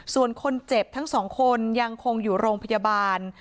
ส่วนคนเจ็บทั้งสองคนยังคงอยู่โรงพยาบาล